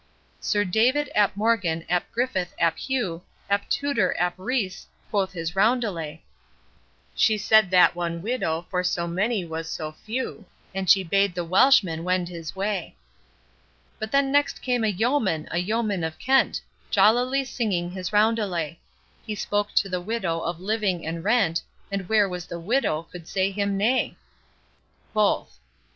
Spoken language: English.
Sir David ap Morgan ap Griffith ap Hugh Ap Tudor ap Rhice, quoth his roundelay She said that one widow for so many was too few, And she bade the Welshman wend his way. But then next came a yeoman, a yeoman of Kent, Jollily singing his roundelay; He spoke to the widow of living and rent, And where was the widow could say him nay? Both.